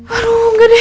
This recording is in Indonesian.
aduh gak deh